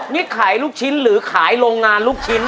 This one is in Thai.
นี่ขายลูกชิ้นหรือขายโรงงานลูกชิ้น